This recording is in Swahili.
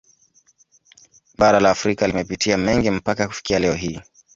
Bara la Afrika limepitia mengi mpaka kufikia leo hii